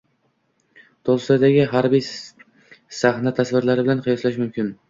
Tolstoydagi harbiy sahna tasvirlari bilan qiyoslash mumkin.